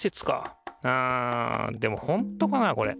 うんでもほんとかなこれ。